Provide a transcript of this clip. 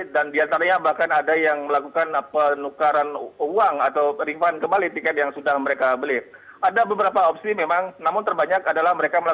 dan di antreanya bahkan ada yang melakukan penukaran uang atau ringan kembali tiket yang sudah mereka beli